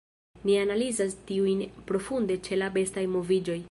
Ni analizas tiujn profunde ĉe la bestaj moviĝoj.